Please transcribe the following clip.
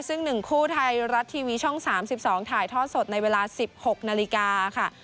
ซึ่ง๑คู่ไทยรัฐทีวีช่อง๓๒ถ่ายทอดสดในเวลา๑๖นาฬิกาค่ะ